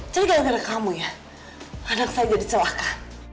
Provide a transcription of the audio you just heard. jadi ga ada kamu ya kadang saya jadi celaka